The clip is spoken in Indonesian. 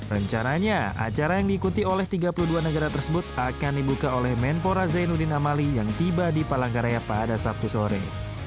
rencananya acara yang diikuti oleh tiga puluh dua negara tersebut akan dibuka oleh menpora zainuddin amali yang tiba di palangkaraya pada sabtu sore